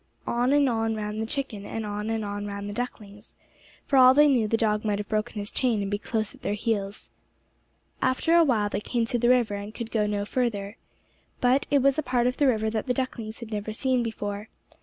On and on ran the chicken, and on and on ran the ducklings. For all they knew the dog might have broken his chain and be close at their heels. After a while they came to the river and could go no further. But it was a part of the river that the ducklings had never seen before.